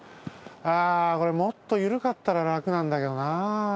ああこれもっとゆるかったららくなんだけどな。